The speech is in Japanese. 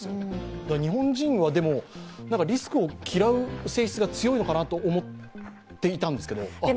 だから日本人はリスクを嫌う性質が強いのかなって思っていたんですけれども。